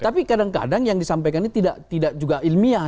tapi kadang kadang yang disampaikan ini tidak juga ilmiah